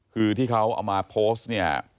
คือที่เขาเอามาโพสต์เนี่ย